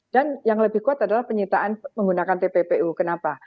dan yang lebih kuat adalah penyitaan menggunakan tpu tpu kenapa